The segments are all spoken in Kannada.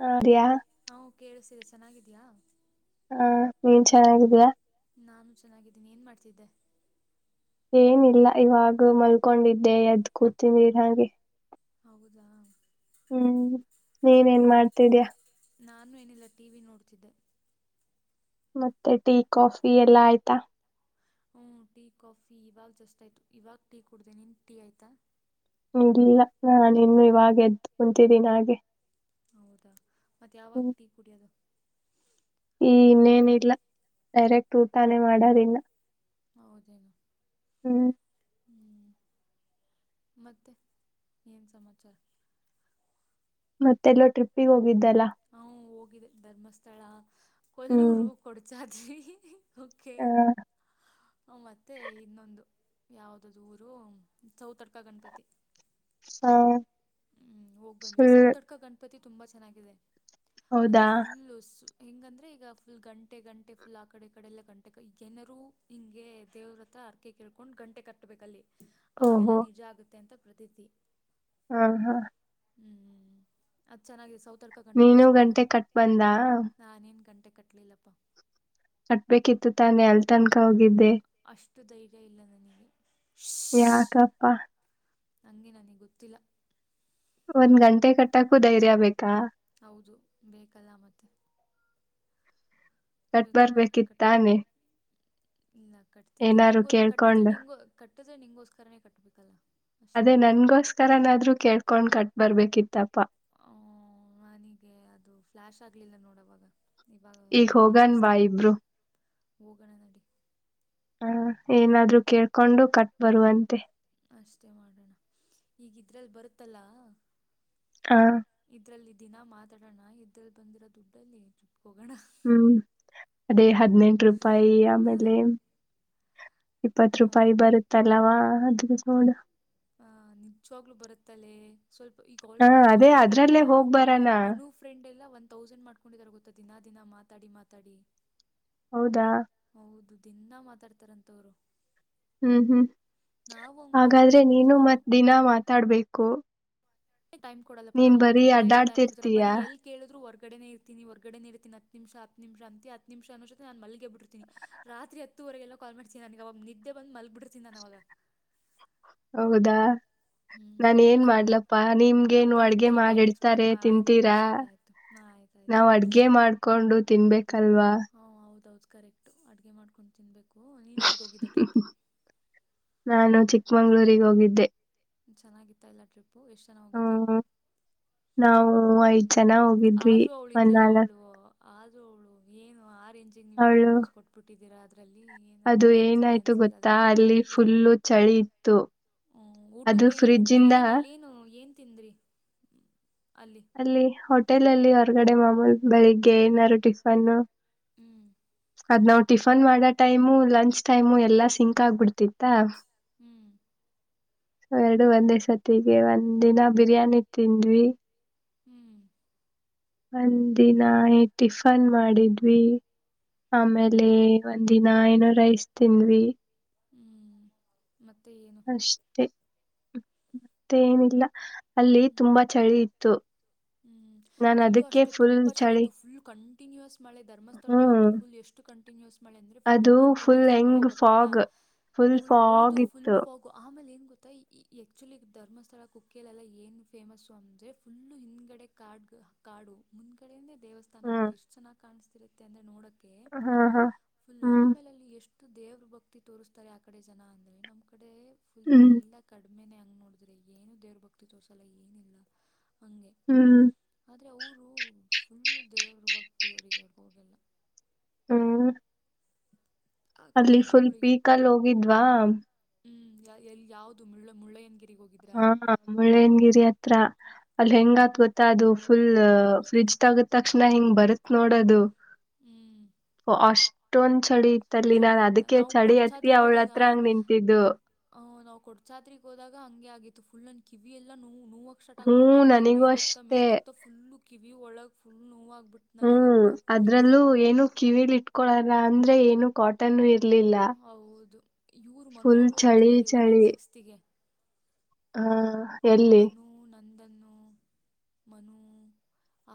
ಹಾ ಅಯಾ ಹ ಕೇಳಿಸತಿದೆ ಚೆನ್ನಾಗಿದ್ಯಾ ಹಾ ನೀನ್ ಚೆನ್ನಾಗಿದ್ದ್ಯಾ ನಾನು ಚೆನ್ನಾಗಿದ್ದೀನಿ ಏನು ಮಾಡ್ತಿದ್ದೆ ಏನಿಲ್ಲ ಇವಾಗ ಮಲ್ಕೊಂಡಿದ್ದೆ ಎದ್ದ್ ಕೂತಿನಿರ್ ಹಗೆ ಹೌದಾ ಹ್ಮ್ ನೀನೇನ್ ಹ್ಮ್ ಮಾಡ್ತಿದ್ಯಾ ನಾನು ಏನಿಲ್ಲ ಟಿ ವಿ ನೋಡ್ತಿದ್ದೆ ಮತ್ತೆ ಟೀ ಕಾಫಿ ಎಲ್ಲ ಆಯ್ತಾ ಹ್ಮ ಟೀ ಕಾಫಿ ಇವಾಗ ಜಸ್ಟ್ ಆಯ್ತು ಇವಾಗ ಟೀ ಕುಡ್ದ ನಿನ್ ಟೀ ಆಯ್ತಾ ಇಲ್ಲ ನಾನ ಇನ್ನು ಇವಾಗ ಎದ್ದು ಕುಂತಿದ್ದೀನ ಹಾಗೆ ಹೌದಾ ಮತ್ತ್ ಯಾವಾಗ ಹ್ಮ್ ಟೀ ಕುಡಿಯದು ಈ ಇನ್ನೇನಿಲ್ಲ ಡೈರೆಕ್ಟ್ ಊಟಾನೆ ಮಾಡೋದಿಂದ ಹೌದೇನು ಹ್ಮ್ ಹ್ಮ್ ಮತ್ತೆ ಏನು ಸಮಾಚಾರ ಮತ್ತೆಲ್ಲೋ ಟ್ರಿಪ್ಪಿಗೆ ಹೋಗಿದ್ದಲ್ಲ ಹೋಗ ಧರ್ಮಸ್ಥಳ ಹ್ಮ್ ಕೊಲ್ಲೂರು ಕೊಡ್ಚಾದ್ರಿ ಮತ್ತೆ ಇನ್ನೊಂದು ಯಾವ್ದ್ದ ಊರು ಸೌತಡ್ಕ ಗಣಪತಿ ಹಾ ಹ್ಮ್ ಹೋಗ್ ಬಂದ್ವಿ ಸೌತಡ್ಕ ಗಣಪತಿ ತುಂಬಾ ಚೆನ್ನಾಗಿದೆ ಹೌದಾ ಅಂದ್ರೆ ಫುಲ್ಲ ಹಿಂಗಂದ್ರೆ ಈಗ ಫುಲ್ ಗಂಟೆ ಗಂಟೆ ಫುಲ್ ಆ ಕಡೆ ಕಡೆ ಎಲ್ಲ ಗಂಟೆ ಜನರು ಹಿಂಗೆ ದೇವ್ರಥ ಅರ್ಕೆ ಕೇಳ್ಕೊಂಡು ಗಂಟೆ ಕಟ್ಟಬೇಕಲ್ಲಿ ಅವಾಗೆಲ್ಲ ನಿಜ ಆಗುತ್ತೆ ಅಂತ ಪ್ರತೀತಿ ಹ್ಮ ಹಾ ಹ್ಮ್ ಅದ್ ಚೆನ್ನಾಗಿದೆ ಸೌತಡ್ಕ ಗಣಪತಿ ನೀನು ಗಂಟೆ ಚೆನ್ನಾಗಿದೆ ಕಟ್ ಬಂದ ನಾನು ಏನು ಗಂಟೆ [inaudible] ಕಟ್ಟಬೇಕಿತ್ತುತಾನೆ ಅಲ್ ತನ್ಕ ಹೋಗಿದ್ದೆ ಅಷ್ಟು ಧೈರ್ಯ ಇಲ್ಲ ನನಗೆ ಯಾಕಪ್ಪಾ ಹಂಗೆ ನನಗೆ ಗೊತ್ತಿಲ್ಲ ಒಂದ್ ಗಂಟೆ ಕಟ್ಟಕೂ ಧೈರ್ಯ ಬೇಕಾ ಹೌದು ಬೇಕಲ್ಲ ಮತ್ತೆ ಕಟ್ ಬೇಕು ಗಂಟೆ ಕಟ್ಟಕ್ಕೆ ಬರ್ಬೇಕಿತ್ತಾನೆ ಇಲ್ಲ ಕಟ್ತಿದ್ದೆ ಏನಾರು ನಿಂಗು ಕಟ್ಟಿದ್ರೆ ಕೇಳ್ಕೊಂಡ್ ನಿಂಗು ಕಟ್ಟಿದ್ರೆ ನಿಂಗಗೋಸ್ಕರನೇ ಕಟ್ಬೇಕಲ್ಲ ಅದೇ ನನ್ಗೋಸ್ಕರನಾದ್ರು ಕೇಳ್ಕೊಂಡ್ ಕಟ್ ಬರ್ಬೇಕಿತ್ತಪ್ಪಾ ಹ ನನಿಗೆ ಅದು ಫ್ಲಾಶ್ ಆಗ್ಲಿಲ್ಲ ನೋಡವಾಗ ಇವಾಗ ಈಗ ಹೋಗನ್ ಬಾ ಇಬ್ರು ಹೊಗನ ನಡಿ ಹ ಏನಾದ್ರು ಕೇಳ್ಕೊಂಡು ಕಟ್ ಬರುವಂತೆ ಅಷ್ಟೇ ಮಾಡೋಣ ಈಗಿದ್ರಲ್ಲಿ ಬರುತ್ತಲ್ಲ ಆ ಇದ್ರಲ್ಲಿ ದಿನ ಮಾತಾಡೋಣ ಇದ್ರಲ್ಲಿ ಬಂದಿರೋ ದುಡ್ಡಲ್ಲಿ ಟ್ರಿಪ್ ಹೋಗೋಣ ಹ್ಮ್ ಅದೇ ಹದಿನೆಂಟು ರೂಪಾಯಿ ಆಮೇಲೆ ಇಪ್ಪತ್ ಹಾ ರೂಪಾಯಿ ಬರುತ್ತಲ್ಲವಾ ಅದರಲ್ಲಿ ಹೋಗನ ಆಹ ನಿಜವಾಗ್ಲು ಬರುತ್ತಲೇ ಸ್ವಲ್ಪ ಈಗ ಹಾ ಆಲ್ರೆಡಿ ಅದೇ ಮನು ಫ್ರೆಂಡ್ ಅದ್ರಲ್ಲೇ ಎಲ್ಲ ಹೋಗ್ ಬರಣ ಮನು ಫ್ರೆಂಡ್ ಎಲ್ಲ ಒನ್ ತೌಸಂಡ್ ಮಾಡ್ಕೊಂಡಿದಾರೆ ಗೊತ್ತ ದಿನಾ ದಿನ ಮಾತಾಡಿ ಮಾತಾಡಿ ಹೌದಾ ಹೌದು ದಿನಾ ಮಾತಾಡ್ತಾರಂತವರು ಹ್ಮ್ ಹ್ಮ್ ಹಾಗಾದ್ರೆ ಮಾತಾಡ್ಬೇಕು ನೀನು ದಿನಾನು ಮತ್ ದಿನ ಮಾತಾಡ್ಬೇಕು ಟೈಮ್ ಕೊಡಲ್ಲಪ್ಪ ನೀನ್ ಬರೀ ನಮ್ಮಂತವರಿಗೆಲ್ಲ ಎಲ್ಲಿ ಟೈಮ್ ಕೊಡುತ್ತೀರಾ ಅಡ್ಡಾಡ್ತಿರ್ತೀಯ ಬರಿ ಎಲ್ಲಿ ಕೇಳಿದರು ಹೊರಗಡೆ ಇರ್ತೀನ ಹೊರಗಡೆ ಇರ್ತೀನಿ ಹತ್ತು ನಿಮಿಷ ಹತ್ತು ನಿಮಿಷ ಅಂತೀಯ ಹತ್ತು ನಿಮಷ ಆಗುವಷ್ಟರಲ್ಲಿ ನಾನು ಮಲ್ಲಿಗೆ ಬಿಡ್ತೀನಿ ರಾತ್ರಿ ಹತ್ತು ಹತ್ತುವರೆಗೆಲ್ಲ ಕಾಲ್ ಮಾಡ್ತಿಯ ನನಗೆ ನಿದ್ದೆ ಬಂದು ಮಲಗ್ಬಿಟ್ಟಿರ್ತೀನಿ ಅವಾಗ ಹೌದಾ ಹ್ಮ್ ನಾನ್ ಊಟ ಏನ್ ಮಾಡ್ಲಪ್ಪಾ ನಿಮ್ಗೆನು ಅಪ್ಪ ಅಡ್ಗೆ ನಿಮ್ದೆಲ್ಲ ಟೈಮಿಂಗ್ಸ್ ಮಾಡಿಡ್ತಾರೆ ಬಿಡಪ್ಪ ಆಯ್ತು ಬಿಡು ತಿಂತೀರಾ ಸರಿ ಆಯಿತು ಹಾಂ ಆಯ್ತಾಯಿತು ನಾವ್ ಅಡ್ಗೆ ಮಾಡ್ಕೊಂಡು ತಿನ್ಬೇಕು ಹಾ ಹೌದ ಹೌದು ಕರೆಕ್ಟ್ ಅಡುಗೆ ಮಾಡ್ಕೊಂಡು ತಿನ್ಬೇಕು ನೀನು ಎಲ್ಲಿಗೆ ಹೋಗಿದ್ದೆ ಟ್ರಿಪ್ ಚಿಕ್ಕಮಂಗಳೂರಿಗೆ ಹೋಗಿದ್ದೆ ಚೆನ್ನಾಗಿತ್ತ ಏಲ್ಲ ಟ್ರಿಪ್ ಹ್ಮ ನಾವು ಐದ್ ಜನ ಹೋಗಿದ್ವಿ ಒಂದನಾಲ್ಕ್ ಆದ್ರೂ ಅವಳು ಏನು ಆ ರೇಂಜಿಂಗ ನೀವು ಇಬ್ಬರು ಅವಳು ಪೋಸ್ ಕೊಟ್ಬಿಟ್ಟಿದ್ದೀರಾ ಅದರಲ್ಲಿ ಏನು ಅದು ನನಗೇನು ಸರಿ ಏನಾಯ್ತು ಅನಿಸಲಿಲ್ಲ ಗೊತ್ತಾ ಅದನ್ನು ನೋಡಿ ಅಲ್ಲಿ ಫುಲ್ಲು ಚಳಿ ಇತ್ತು ಹ್ಮ ಅದು ಊಟಕ್ಕೆ ಊಟ ಫ್ರಿಡ್ಜ್ ಅಲ್ಲಿ ಇಂದ ಏನ್ ಅಲ್ಲೇನು ಏನ್ ತಿಂದ್ರಿ ಅಲ್ಲಿ ಹೋಟೆಲ್ ಅಲ್ಲಿ ಹೊರಗಡೆ ಮಾಮೂಲಿ ಬೆಳಿಗ್ಗೆ ಏನಾದಾರು ಟಿಫನ್ನು ಹ್ಮ್ ಅದ್ ನಾವ್ ಟಿಫನ್ ಮಾಡೋ ಟೈಮು ಲಂಚ್ ಟೈಮು ಎಲ್ಲಾ ಸಿಂಕ್ ಆಗ್ಬಿಡ್ತಿತ್ತ ಹ್ಮ್ ಸೊ ಎರಡು ಒಂದೇ ಸರ್ತಿಗೆ ಒಂದ್ ದಿನ ಬಿರಿಯಾನಿ ತಿಂದ್ವಿ ಹ್ಮ್ ಒಂದಿನ ಟಿಫನ್ ಮಾಡಿದ್ವಿ ಆಮೇಲೆ ಹ್ಮ್ ಒಂದಿನ ಏನೋ ರೈಸ್ ತಿಂದ್ವಿ ಹ್ಮ್ ಮತ್ತೆ ಏನು ಅಷ್ಟೇ ಮತ್ತೆ ಏನಿಲ್ಲ ಅಲ್ಲಿ ತುಂಬಾ ಚಳಿ ಇತ್ತು ಚಳಿ ಇತ್ತು ಹ್ಮ್ ನಾನು ಇಲ್ಲೂ ಅದಕ್ಕೆ ಅಷ್ಟೇ ಫುಲ್ ತುಂಬಾ ಚಳಿ ಇತ್ತು ಫುಲ್ ಕಂಟಿನ್ಯೂಸ್ ಮಳೆ ಧರ್ಮಸ್ಥಳದಳಂತು ಹ್ಮ್ ಫುಲ್ ಎಷ್ಟು ಕಂಟಿನ್ಯೂಸ್ ಅಂದ್ರೆ ಫುಲ್ ಅದು ಫುಲ್ ಕಂಟಿನ್ಯೂಸ್ ಆಗಿ ಮಳೆ ಹೆಂಗ್ ಬರ್ತಿತ್ತಾ ಫಾಗ್ ಫುಲ್ ಹೌದು ಫಾಗ್ ಫುಲ್ ಇತ್ತು. ಆಮೇಲೆ ಗೊತ್ತಾ ಈ ಎಕ್ಚುಲಿ ಧರ್ಮಸ್ಥಳ ಕುಕ್ಕಲಲ್ಲ ಏನ್ ಫೇಮಸ್ಸು ಅಂದ್ರೆ ಫುಲ್ಲು ಹಿಿಂದಗಡೆ ಕಾಡ್ ಕಾಡು ಮುಂದ್ಗಡೆೇ ಹ್ಮ್ ದೇವಸ್ಥಾನಗಳು ಇಷ್ಟ ಚೆನ್ನಾಗ್ ಕಾಣಿಸ್ತಿರುತ್ತೆ ಅಂದ್ರೆ ನೋಡಕೆ ಹಾ ಹಾ ಫುಲ್ ಹ್ಮ್ ಆಮೇಲಲ್ಲಿ ಎಷ್ಟು ದೇವ್ರ ಭಕ್ತಿ ತೋರಿಸ್ತಾರೆ ಆ ಕಡೆ ಜನ ಅಂದ್ರೆ ನಮ್ ಕಡೆ ಫುಲ್ ಹ್ಮ್ ಎಲ್ಲಾ ಕ ಒಮ್ಮೇನೆ ಹಂಗ್ ನೋಡಿದ್ರೆ ಏನು ದೇವ್ರ ಭಕ್ತಿ ತೋರ್ಸಲ್ಲ ಏನಿಲ್ಲ ಹ್ಮ್ ಅಂದರೆ ಅವರು ಫುಲ್ಲು ದೇವರು ಭಕ್ತಿಯವರಿಗೆ ಹೋಗಲ್ಲ ಹ್ಮ ಆ ಕಡೆ ಅಲ್ಲಿ ಫುಲ್ ಪೀಕ್ ಅಲ್ಲಿ ಹೋಗಿದ್ವಾ ಹ್ಮ್ ಎಲ್ಲಿ ಯಾವ್ದದು ಮುಳ್ಳು ಮುಳ್ಳೆನ್ಗಿರಿ ಹಾ ಮುಳ್ಳಯನಗಿರಿ ಹತ್ರ ಅಲ್ಲಿ ಹ್ಮ್ ಹೆಂಗತ್ ಗೊತ್ತ ಅದು ಫುಲ್ ಫ್ರಿಜ್ ತೆಗದ್ ತಕ್ಷಣ ಹಿಂಗ್ ಬರುತ್ ನೋಡದು ಹ್ಮ್ ಅಷ್ಟ ಅಷ್ಟೊಂದ ಚಳಿ ಇತ್ತಲ್ಲಿ ನಾನ್ ಚಳಿತ ಅದಕ್ಕೆ ನಾವು ಚಳಿ ಹತ್ತಿ ಕೊಡ್ಚಾದ್ರಿಗೆ ಅವ್ಳ ಹೋದಾಗ ಹತ್ರ ಹಂಗ್ ನಿಂತಿದ್ದು ಕೊಡ್ಸಾತ್ರಿಗ್ ಹೋದಾಗ ಹಂಗೆ ಆಗಿತ್ತು ಫುಲ್ನ್ ಕಿವಿ ಎಲ್ಲ ನೋವು ನೋವಕ್ ಸ್ಟಟ್ ಹ್ಮ್ ಆಗ್ಬಿಡ್ತ ನನಿಗೂ ಮೇಲ್ ಹೋಗ್ತ ಅಷ್ಟೇ ಮೇಲ್ ಹೋಗ್ತ ಫುಲ್ ಕಿವಿಒಳಗ್ ಫುಲ್ ನೋವ ಹ್ಮ್ ಅದ್ರಲ್ಲೂ ಏನು ಕಿವಿಲಿ ಇಟ್ಕೊಳಲ್ಲ ಅಂದ್ರೆ ಏನು ಕಾಟನ್ ಇ ಹೌದು ಇವರು ಮನು ಫುಲ್ ಅವರು ಚಳಿ ಹೋಗ್ತಿದ್ದಾರೆ ಇವಾಗ ಸಿಕ್ಸ್ತಿಗೆ ಹ್ಮ ಮನು ನಂದನ್ನು ಮನು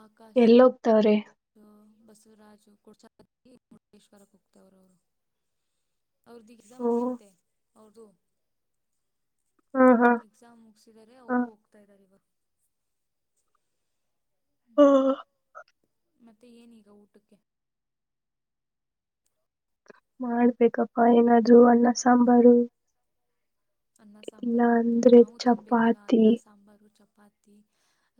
ಆಕಾಶ್ ಎಲ್ಲ ಹೋಗ್ತವ್ರೆ ಬಸವರಾಜು [unintelligible] ಮುಟ್ಟೇಶ್ವರ ಹ್ತವ್ರ ಅವರು ಅವೃದು ಎಕ್ಸಾಮ್ ಓ ಮುಗ್ಲಂತೆ ಅವ್ರ್ದು ಹಾ ಹಾ ಎಕ್ಸಾಮ್ ಮುಗಸಿದರೆ ಅವರು ಹೋಗ್ತಾ ಇದ್ದಾರೆ ಇವಾಗ ಹ್ಮ ಮತ್ತೆ ಏನೀಗ ಊಟಕ್ಕೆ ಮಾಡ್ಬೇಕಪ್ಪಾ ಏನಾದ್ರು ಅನ್ನ ಸಾಂಬಾರು ಅನ್ನ ಸಾಂಬಾರ್ ಇಲ್ಲ ಎಲ್ಲ ಮಾಡ್ಬೇಕಾ ಅಂದ್ರೆ ನಾವು ತಿನ್ಬೇಕುಾಗ ಚಪಾತಿ ಅನ್ನ ಸಾಂಬಾರು ಚಪ್ಪ ಚಪಾತಿ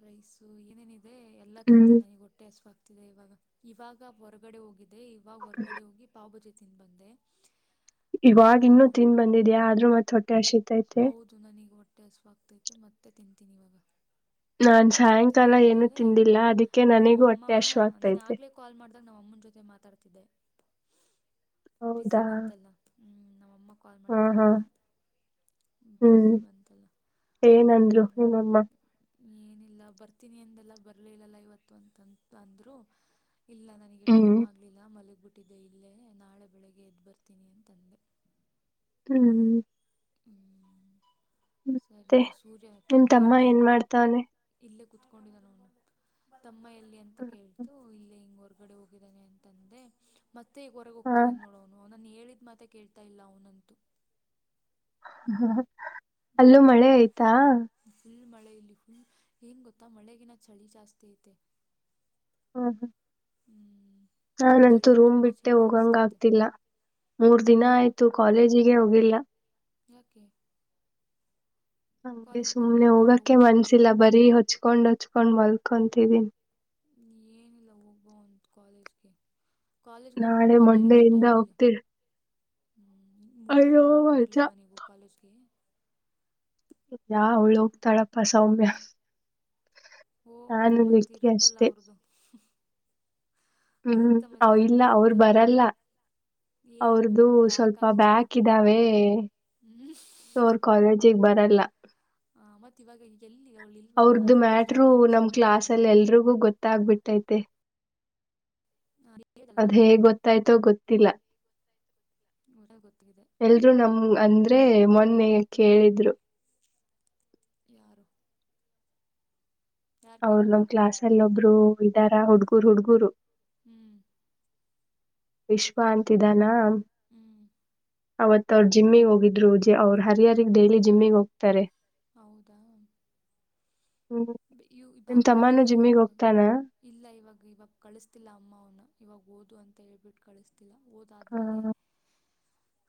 ರೈಸು ಏನೇನಿದೆ ಎಲ್ಲ ಹ್ಮ್ ತಿಂತೀನಿ ನನಗೆ ಹೊಟ್ಟೆ ಹಸಿವು ಇವಾಗ ಇವಾಗ ಹೊರಗಡೆ ಹೋಗಿದೆ ಇವಾಗ ಹೊರಗಡೆ ಹೋಗಿ ಪಾವ್ಭಜಿ ತಿಿಂದ ಬಂದೆ ಈವಾಗ ಇನ್ನುೂ ತಿನ್ ಬಂದಿದ್ಯಾ ಆದ್ರರು ಮತ್ತ್ ಹೊಟ್ಟೆ ಹಸಿತೈತೆ ಹೌದು ನನಗೆ ಹೊಟ್ಟೆ ಹಸಿವು ಆಗ್ತೈತೆ ಮತ್ತೆ ತಿಂತೀನಿ ಇವಾಗ ನಾನ್ ಮತ್ತೆ ಸಾಯಂಕಾಲ ಏನು ಆಮೇಲೆ ತಿಂದಿಲ್ಲ ಅದಕ್ಕೆ ನನಗೂ ಹೊಟ್ಟೆ ಹಸಿವು ಹಾಗತೈತೆ ನಾವ ಅಮ್ಮನ ಜೊತೆ ಮಾತಾಡ್ತಿದ್ದೆ ಬಸಿ ಹೌದಾ ಬಂತಲ್ಲ ಹ್ಞೂ ನಮ್ಮಮ್ಮ ಕಾಲ್ ಹಾ ಮಾಡಿದ್ದು ಹಾ ಅವಾಗ ಹ್ಮ್ ಏನಂದ್ರು ಅವಾಗ ನಿಮ್ಮಮ್ಮ ಏನಿಲ್ಲ ಬರ್ತೀನಿ ಅಂದೆಲ್ಲ ಬರ್ಲಿಲ್ಲಲ್ಲ ಇವತ್ತು ಅಂತಾತ ಅಂದ್ರು ಇಲ್ಲ ನನಗೆ ಟೈಮ್ ಹ್ಮ್ ಆಗ್ಲಿಲ್ಲ ಮಲಗ್ ಬಿಟ್ಟು ಟ್ಟಿದೆ ಇಲ್ಲೇ ನಾಳೆ ಬೆಳಿಗ್ಗೆ ಎದ್ ಬರ್ತೀನಿ ಅಂತಂದೆ ಹ್ಮ್ ಹ್ಞೂ ಸರಿ ಮತ್ತೆ ಸೂರ್ಯ ನಿಮ್ ತಮ್ಮ ಎಲ್ಲಿ ಏನ್ ಅಂತ ಮಾಡ್ತಾವನೆ. ಇಲ್ಲಗ್ ತಮ್ಮ ಎಲ್ಲಿ ಅಂತ ಕೇಳ್ತು ಇಲ್ಲೇ ಹಿಂಗವರ್ಗ ಗಡೆ ಹೋಗಿದ್ದಾನೆ ಅಂತಂದೆ ಮತ್ತೆ ಈಗ ಹೊರೆಗೆ ಹಾ ಹೋಗ್ತಿದೆಾನೆ ನೋಡೋನು ನಾನು ಹೇಳಿದ್ ಮಾತೆ ಕೇಳ್ತಾ ಇಲ್ಲ ಅವನಂತೂ ಹ ಅಲ್ಲೂ ಮಳೆ ಆಯ್ತಾ ಹ ಏನ್ ಗೊತ್ತಾ ಮಳೆಗಿನ ಚಳಿ ಜಾಸ್ತಿ ಅಯ್ತೆ ಹ್ಮ [unintelligible] ಹಾ ನಂತೂ ಚಳಿ ರೂಮ್ ತುಂಬ ಬಿಟ್ಟೆ ಚಳಿ ಹೋಗಂಗ ಅನಿಸ್ತೈತೆ ಆಗ್ತಿಲ್ಲ. ಮೂರ್ ದಿನ ಯಾಕೆ ಆಯ್ತು ಕಾಲೇಜಿಗೆ ಹೋಗಿಲ್ಲ. ಯಾಕೆ? ಹೆ ಕಾಲೇಜ್ಗೆ ಯಾಕೆ ಸುಮ್ನೆ ಹೋಗ್ತಿಲ್ಲ ಹೋಗಕ ಹೋಗು ಮನ್ಸಿಲ್ಲ ಬರೀ ಹೊಚ್ಕೊಂಡ್ ಹೊಚ್ಕೊಂಡ್ ಮಲ್ಕೊಂತಿದೀನಿ. ಏನಿಲ್ಲ ಹೋಗ್ಬೋ ಒಂದು ಕಾಲೇಜ್ಗೆ. ಕಾಲೇಜ್ಗೆ ಹೋಗೋಕ್ಕೂ ನಾಳೆ ಮಜಾ ಮಂಡೆಯಿಂದ ಹೋಗ್ತೀ. ಹ್ಮ್ ಮೂರು ಜನನು ಅಜ್ಜ ಹೋಗಿರ್ಲಿಲ್ಲವ ನೀವು ಕಾಲೇಜ್ಗೆ. ಯಾ ಅವುಳು ಹೋಗ್ತಾಳಪ್ಪ ಸೌಮ್ಯ. ಓ ನಾನು ಮತ್ತ ಲಿಕ್ಕಿ ಇರುತ್ತಲ್ಲ ಅಷ್ಟೇ ಅವ್ರದು. ಹ್ಮ್ ಅವ ಇಲ್ಲ ಅವರು ಇರುತ್ತಲ್ಲ ಬರಲ್ಲ. ಮತ್ತು ಏ ಅವು ಅವ್ರದು ಬ್ಯಾಕ್ ಸ್ವಲ್ಪ ಆಗಿದೆಯಲ್ಲ ಬ್ಯಾಕ್ ಇದ್ದಾವೆ. ಹ್ಞೂ ಸೊ ಅವರ್ ಕಾಲೇಜಿಗೆ ಬರಲ್ಲ. ಹ ಮತ್ತೆ ಇವಾಗ ಈಗೆಲ್ಲಿ ಅವ್ರ್ದು ಮ್ಯಾಟರು ನಮ ಕ್ಲಾಸ್ ಮಾತಾಡ್ತೀವಿ ಅಲ್ಲಿ ಎಲ್ರಿಗೂ ಗೊತ್ತಾಗಬಿಟ್ಟೈತೆ. ಹೇಳಿದಲ್ಲ ಅದೇಗ್ ಆವತ್ತೇನೆ ಗೊತ್ತಾಯ್ತೋ ಗೊತ್ತಿಲ್ಲ. ಗೊತ್ತಾಗಿದೆ ಎಲ್ರು ನಮ್ ಅಂದ್ರೆ ಮೊನ್ನೆ ಕೇಳಿದ್ರು. ಯಾರು ಯಾರು ಅವ್ರ ನಮ್ ಕೇಳಿದ್ರು ಕ್ಲಾಸ್ ಅಲ್ಲ ಒಬ್ರು ಇದ್ದಾರ ಹುಡ್ಗೂರ್ ಹುಡ್ಗೂರು ಹ್ಮ್ ವಿಶ್ವ ಅಂತಿದ್ದಾನ ಹ್ಮ್ ಅವತ್ ಅವರು ಜಿಮ್ಮಿಗ್ ಹೋಗಿದ್ರು ಅವ್ರ ಹರಿಹರಿಗ್ ಡೈಲಿ ಜಿಮ್ಮಿಗೆ ಹೋಗ್ತಾರೆ. ಹೌದಾ. ಇವು ನಿಮ್ ಬ್ಯಾಕ್ ತಮ್ಮಾನೂ ಆಗಿದೆಯಾ ಇವನು ಜಿಮ್ಮಿಗೆ ಇವಾಗ ಹೋಗ್ತಾನ. ಇಲ್ಲ ಇವಾಗ ಇವಾಗ ಕಳಿಸಸ್ತಿಲ್ಲ ಅಮ್ಮ ಅವನ ಇವಾಗ. ಓದು ಅಂತ ಹೇಳ್ಬಿಟ್ಟು ಕಳಿಸ್ತಿಲ್ಲ ಹ ಓದಾದ್ಮೇಲೆ ಏನು.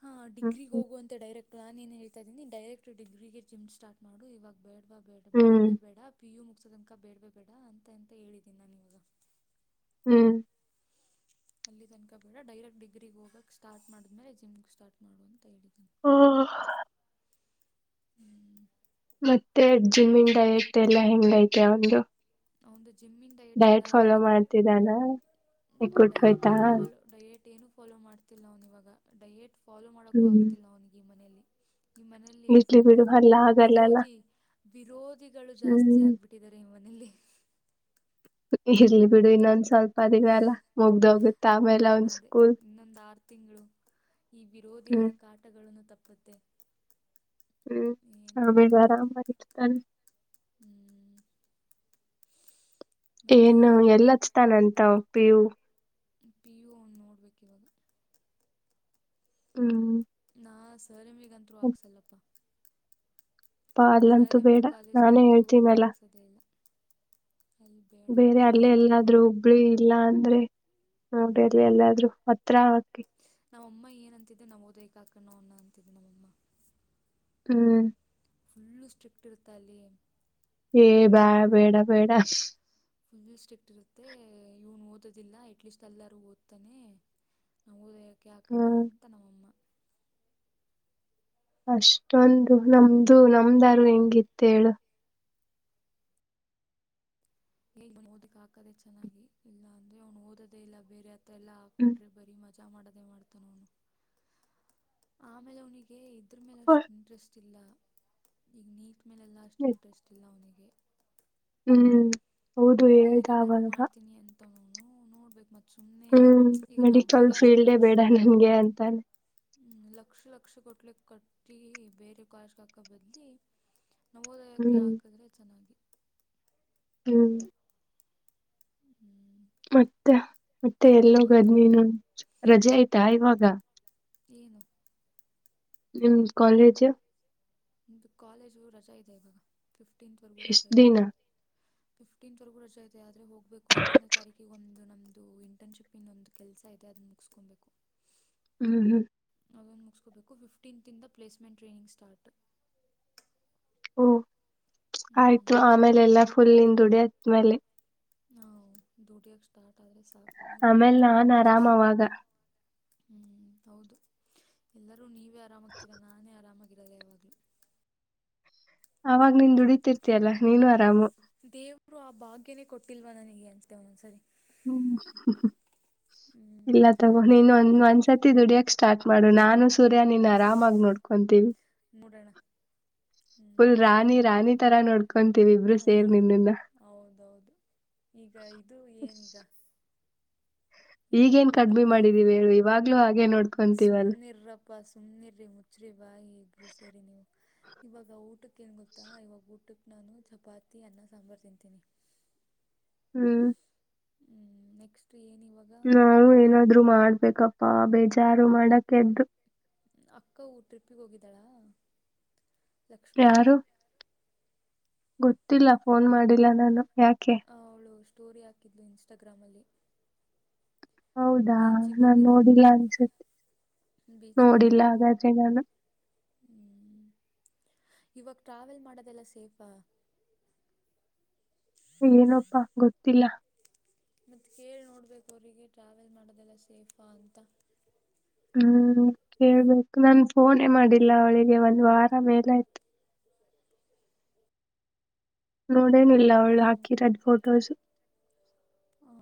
ಹಾ ಹ್ಮ್ ಡಿಗ್ರಿಗೆ ಹೋಗುವಂತೆ ಡೈರೆಕ್ಟ್ ಪ್ಲಾನ್ ಏನ್ ಹೇಳ್ತಾ ಇದೀನಿ ಡೈರೆಕ್ಟ್ ಡಿಗ್ರಿಗೆ ಜಿಮ್ ಸ್ಟಾರ್ಟ್ ಮಾಡು ಇವಾಗ ಬೇಡವಾ ಬೇಡ ಹ್ಮ್ ಬೇಡವೇ ಬೇಡ ಪಿ ಯು ಮುಗಸೋದನಕ ಬೇಡವೇ ಬೇಡ ಅಂತ ಅಂತ ಹೇಳಿದ್ದೀನಿ ನಾನಾವನಿಗೆ. ಹ್ಮ್ ಅಲ್ಲಿ ತನಕ ಬೇಡ ಡೈರೆಕ್ಟ್ ಡಿಗ್ರಿಗ್ ಹೋಗಕ್ ಸ್ಟಾರ್ಟ ಮಾಡಿದ್ಮೇಲೆ ಜಿಮ್ಗೆ ಸ್ಟಾರ್ಟ್ ಮಾಡುವ ಅಂತ ಹೇಳಿ. ಹ್ಮ [inaudible] ಮತ್ತೆ ಜಿಮೀನ್ ಐತೆ ಎಲ್ಲಾ ಹೆಂಗ ಐತೆ ಅವನ್ದು. ಜಿಮ್ಮನ್ ಡಯೆಟ್ ಎಲ್ಲ [unintelligible] ಮಾಡ್ತಿದಾನ ಎ ಎಕ್ಕುಟ್ ಡಯೆಟ್ ಹೋಯ್ತಾ ಏನು ಫಾಲೋ ಡಯೆಟ್ ಏನು ಫಾಲೋ ಮಾಡ್ತಿಲ್ಲ ಅವ್ನ್ ಇವಾಗ ಡಯೇಟ್ ಫಾಲೋ ಮಾಡೋಕೂ ಹ್ಮ್ ಆಗ್ತಿಲ್ಲ ಅವನಿಗೆ ಈ ಮನೆಯಲ್ಲಿ ಈ ಮನೆಯಲ್ಲಿ ಇರ್ಲಿ ಫುಲ್ಲು ಬಿಡು ಅಲ್ಲ ಆಗಲ್ಲಲ್ಲ ವಿರೋಧಿ ವಿರೋಧಿಗಳು ಜಾಸ್ತಿ ಹ್ಮ್ ಆಗ್ಬಿಟ್ಟಿದ್ದಾರೆ ಈ ಮನೆಯಲ್ಲಿ. ಇರಲ್ಲಿ ಬಿಡು ಇನ್ನೊಂದ್ ಸ್ವಲ್ಪ ದಿನಲ್ಲ ಮುಗ್ದ ಹೋಗುತ್ತೆ. ಅದೇ ಇನ್ನೊಂದು ಆರು ತಿಂಗಳು ಈ ವಿರೋಧಿಗಳ ಹ್ಮ್ ಕಾಟಗಳನ್ನು ತಪ್ಪ ಮತ್ತೆ ಹ್ಮ್ ಆಮೇ [unintelligible] ಬರ [unintelligible] ತಾನ ಹ್ಮ್ ಏನು ಎಲ್ಲಚ್ತಾನಂತ ಅವ್ನ್ ಪಿ ಯು ಪಿ ಯು ಅವನ್ ನೋಡ್ಬೇಕು ಇವಾಗ ಹ್ಮ್ ನಾ ಸರಿಮಿಗಂತೂ ಹಾಕ್ಸಲ್ಲಪ್ಪಾ. ಪ್ಪಾ ಅಲ್ಲಂತೂ ವಿ ಬೇಡ ನಾನೇ ಕಾಲೇಜ್ಗಂತೂ ಹೇಳ್ತೀನಲ್ಲ ಹಾಕ್ಸೋದೇ ಇಲ್ಲ ಅಲ್ಲಿ ಬೇಡ ಬೇರೆ ಅಲ್ಲ ಹತ್ರ ಹೇಳಿ ಎಲ್ಲಾದ್ರು ಹುಬ್ಳಿ ಇಲ್ಲ ಅಂದ್ರೆ ನೋಡಿ ಹ್ಮ್ ಅಲ್ಲಿ ಎಲ್ಲಾದ್ರು ಮ ತ್ರಾ ಹಾಕಿ. ನಮ್ಮಮ್ಮ ಏನಂತಿದ್ದೆ ನವೋದಯಕ್ಕೆ ಹಾಕನ ಅನ್ನ ಅಂತಿದ್ದೆ ನಮ್ಮಮ್ಮ. ಹ್ಮ್ ಫುಲ್ಲು ಸ್ಟ್ರಕ್ಟ್ ಇರ್ತಾಲೆ ಏ ಬ್ಯಾ ಬೇಡ ಬೇಡ ಫುಲ್ ಸ್ಟಿಕ್ಟ್ ಇರುತ್ತೆ ಇವನು ಓದೋದಿಲ್ಲ ಎಟ್ಲೀಸ್ಟ್ ಎಲ್ಲರ ಓದ್ತಾನೆ [inaudible] ಕೇಕಣಂತ ನಮ್ಮ ಅಮ್ಮ ಅಷ್ಟೊಂದು ನಮ್ದು ನಮ್ದಾರು ಹೆಂಗಿತ್ತ ಹೇಳು ಹ ಓದಕ್ ಹಾಕದೆ ಚೆನ್ನಾಗಿ ಇಲ್ಲ ಅಂದ್ರೆ ಅವ್ನು ಓದೋದೇ ಇಲ್ಲ ಬೇರೆ ತಲ್ಲಾ ಹ್ಮ್ ಪುಟ್ರ ಬರಿ ಮ ಮಜಾ ಮಾಡದೆ ಮಾಡ್ತಾನ ಅವನು ಆಮೇಲೆ ಅವನಿಗೆ ಇದ ಹರ ಮೇಲೆ ಅಷ್ಟು ಇಂಟ್ರೆಸ್ಟ್ ಇಲ್ಲ ಈಗ ನೀಟ್ ಮೇಲೆಲ್ಲ ಅಷ್ಟು ಇಂಟ್ರೆಸ್ಟ್ ಇಲ್ಲ ಅವನಿಗೆ ಹ್ಮ್ ಹೌದು ಹೇಳಿದ ಅವಲ್ಲ ನೋಡ್ಬೇಕಕ್ ಮತ್ತ ಹ್ಮ್ ಮೆಡಿಕಲ್ ಫೀಲ್ಡೇ ಬೇಡ ನನ್ಗೆ ಅಂತಾನೆ ಹ್ಮ ಲಕ್ಷ ಲಕ್ಷ ಕೊಟ್ಲೆ ಕಟ್ಟಿ ಬೇರೆ ಕಶ ಹಾಕ ಬದ್ಲಿ ನವೋದಯಕ್ಕೆ ಹ್ಮ್ ಹಾಕಿದ್ರೆ ಚೆನ್ನಾಗಿ ಹ್ಮ್ ಮತ್ತ ಮತ್ತೆ ಹೇಳ್ಬೇಕು ಎಲ್ಲೋಗದ್ ನೀನು ರಜೆ ಆಯ್ತಾ ಇವಾಗ ಏನು ಹ್ಮ ಕಾಲೇಜ ಕಾಲೇಜಗೂ ರಜೆ ಇದೆ ಇವಾಗ ಫಿಫ್ಟೀನ್ತ್ವರೆಗೂ ರಜೆ ಎಷ್ಟ್ ಇದೆ ದಿನ ಫ್ಟೀತ್ವರೆಗೂ ರಜ ತೆದೆ ಆದ್ರ ಹೋಗಬೇಕು ಹನ್ನೊನೇ ತಾರಕು ಒಂದು ನಮ್ಮದು ಇಂಟರ್ನ್ಶಿಪ್ ಇನ್ನೊಂದು ಕೆಲಸ ಇದೆ ಅದನ್ನ ಮುಗಿಸ್ಕೊಬೇಕು ಹ್ಮ್ ಹ್ಮ ಮುಗಿಸಕೋಬೇಕು ಫಿಫ್ಟೀನ್ಂತಿಂದ ಪ್ಲೇಸ್ಮೆಂಟ್ ಟ್ರೈನಿಂಗ್ ಸ್ಟಾರ್ಟ್ ಓ ಆಯ್ತು ಆಮೇಲೆ ಎಲ್ಲಾ ಫುಲ್ ಹಂದುಡಿ ಅದ್ಮೇಲೆ ಹ ದ್ಯೂಟಿಯ ಸ್ಟಾರ್ಟ ಆದ್ರೆ ಸಾಕು ರು ಆಮೇಲೆ ನಾನ್ ಆರಾಮ್ ಅವಾಗ ಹ್ಮ್ ಹೌದು ಎಲ್ಲರೂ ನೀವೇ ಆರಾಮಾಗ್ತೀರಾ ನಾನೇ ಆರಾಮಾಗಿರದ ಯಾವಾಗ್ಲೂ ಅವಾಗ ನೀನ್ ದುಡತಿರ್ತಿಯಲ್ಲಾ ನೀನು ಅರಾಮು ದೇವರು ಆ ಭಾಗ್ಯನೇ ಕೊಟ್ಟಿಲ್ವಾ ನನಗೆ ಅನ್ತೆ ಒಂದೊಂದ್ಸರಿ ಹ್ಮ್ ಹ್ಮ್ ಇಲ್ಲ ತಗೋ ನೀನ್ ಈಗ ಒಂದ್ ಊಟಕ್ಕೆ ಒಂದ್ಸರ್ತಿ ದುಡಿಯಕ್ ಸ್ಟಾರ್ಟ್ ಮಾಡು ನಾನು ಸೂರ್ಯ ನೀನ್ ಆರಾಮಾಗಿ ನೋಡ್ಕೊಂತೀವಿ ಮುಡಣ ಫುಲ್ ರಾಣಿ ರಾಣಿ ತರಾ ನೋಡ್ಕೊಂತೀವಿ ಇಬ್ರು ಸೇರ್ ಹ್ಮ್ ನಿಮಿಂದ ಹೌದೌದು ಈಗ ಇದು ಏನೀಗ ಈಗ ಈಗೇನ್ ಕಡ್ಮಿ ಊಟಕ್ಕೆ ಮಾಡಿದೀವಿ ಹೇಳು ಇವಾಗ್ಲೂ ಹಾಗೆ ನೋಡ್ಕೊಂತೀವಲ್ ಪಪ್ಪಪ ಸುಮ್ಮನೆರರಿ ಮುಚ್ಚ್ರಿ ಬಾಯಿ ಇಬ್ಬರು ಸೇರಿ ನೀವು ಇವಾಗ ಊಟಕ್ಕೆ ಏನ್ ಗೊತ್ತಾ ಇವಾಗ ಊಟಕ್ ನಾನು ಚಪಾತಿ ಅನ್ನ ಸಾಂಬಾರ್ ತಿಂತೀನಿ ಹ್ಮ್ ಹ್ಮ್ ನೆಕ್ಸ್ಟ್ [inaudible] ಇವಾಗ ನಾವು ಏನಾದ್ರು ಮಾಡ್ಬೇಕಪ್ಪಾ ಬೇಜಾರು ಮಾಡಕ ಎದ್ರು ಅಕ್ಕ ಟ್ರಿಪ್ಪಿಗೆ ಹೋಗಿದ್ದಾಳಾ ಲಕ್ಷ್ಮಿ ಅಕ್ಕ ಯಾರು ಗೊತ್ತಿಲ್ಲ ಫೋನ್ ಮಾಡಿಲ್ಲ ನಾನು ಯಾಕೆ ಅವಳು ಸ್ಟೋರಿ ಹಾಕಿದ್ಲು ಇನ್ಸ್ಟಾಗ್ರಾಮಲ್ಲಿ ಹೌದಾ ನನ್ ನೋಡಿಲ್ಲ ಅನ್ಸುತ್ತೆ ಬಸಿಗೆ ನೋಡಿಲ್ಲ ಹೋಗಿರೋದು ಹಾಗಾದ್ರೆ ನಾನು ಹ್ಮ ಇವಾಗ ಟ್ರಾವೆಲ್ ಮಾಡೋದೆಲ್ಲ ಸೇಫಾ ಏನಪ್ಪಾ ಗೊತ್ತಿಲ್ಲ ಮತ್ತುತ್ತ ಕೇಳಿ ನೋಡ್ಬೇಕು ಅವರಿಗೆ ಟ್ರಾವೆಲ್ ಮಾಡೋದೆಲ್ಲ ಸೇಫಾ ಅಂತ ಹೂ ಕೇಳ್ಬೇಕು ನನ್ ಫೋನೇ ಮಾಡಿಲ್ಲ ಅವಳಿಗೆ ಒಂದ್ ವಾರ ಮೇಲೆ ಆಯ್ತು ನೋಡೇನಿಲ್ಲ ಅವಳು ಮಾಡು ಮತ್ತೆ ಹಾಕಿರೋಡು ಫೋಟೋಸ್ ಹಾಂ